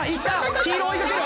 黄色追いかける！